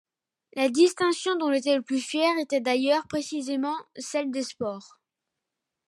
La distinction dont il était le plus fier était d'ailleurs, précisément, celle des sports.